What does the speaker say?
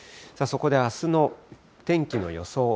そこであすの天気の予想。